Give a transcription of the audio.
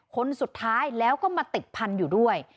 คนสุดท้ายแล้วก็มาติดพันธุ์อยู่ด้วย